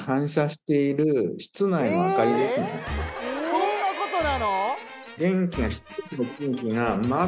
・そんなことなの！？